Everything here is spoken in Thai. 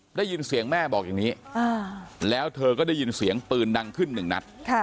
ได้ยินเสียงแม่บอกอย่างนี้แล้วเธอก็ได้ยินเสียงปืนดังขึ้นหนึ่งนัด